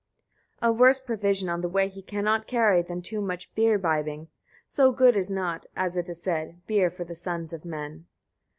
11. A worse provision on the way he cannot carry than too much beer bibbing; so good is not, as it is said, beer for the sons of men.